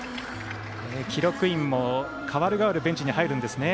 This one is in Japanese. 記録員も代わる代わるベンチに入るんですね。